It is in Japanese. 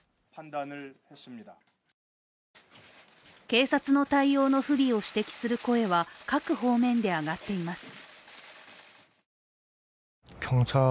警察の対応の不備を指摘する声は各方面で上がっています。